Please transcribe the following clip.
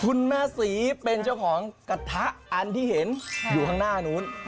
คุณแม่ศรีเป็นเจ้าของกระทะอันที่เห็นอยู่ข้างหน้านู้น